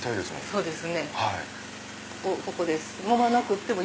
そうです。